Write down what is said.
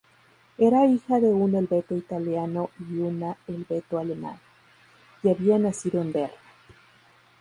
Era hija de un helveto-italiano y una helveto-alemana, y había nacido en Berna.